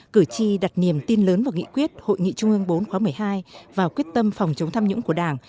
cử tri đặt niềm tin lớn vào nghị quyết hội nghị trung ương bốn khóa một mươi hai vào quyết tâm phòng chống tham nhũng của đảng